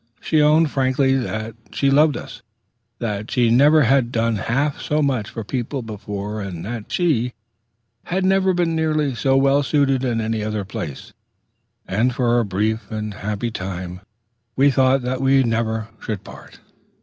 She owned frankly that she loved us, that she never had done half so much for people before, and that she never had been nearly so well suited in any other place; and for a brief and happy time we thought that we never should part.